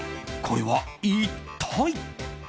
これは一体？